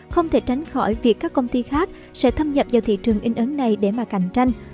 không thể tránh khỏi việc các công ty khác sẽ thâm nhập vào thị trường in ấn này để mà cạnh tranh